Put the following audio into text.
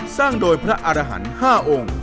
สร้างโดยพระอารหันต์๕องค์